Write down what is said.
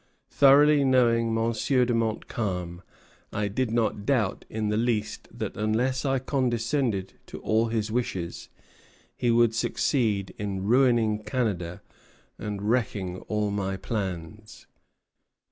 Thoroughly knowing Monsieur de Montcalm, I did not doubt in the least that unless I condescended to all his wishes, he would succeed in ruining Canada and wrecking all my plans."